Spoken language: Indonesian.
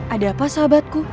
ada apa sahabatku